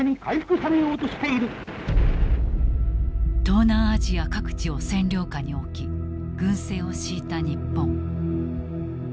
東南アジア各地を占領下に置き軍政を敷いた日本。